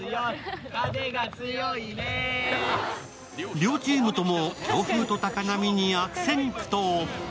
両チームとも強風と高波に悪戦苦闘。